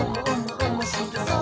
おもしろそう！」